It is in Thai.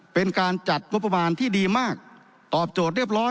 เป็นการจัดงบประมาณที่ดีมากตอบโจทย์เรียบร้อย